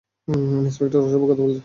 Inspector অসভ্য কথা বলছে।